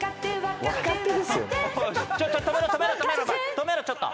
止めろちょっと。